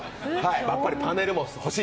やっぱりパネルも欲しい？